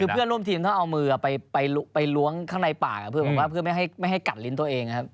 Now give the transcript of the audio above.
เพื่อนร่วมทีมต้องเอามือไปล้วงข้างในปากเพื่อบอกว่าเพื่อไม่ให้กัดลิ้นตัวเองครับ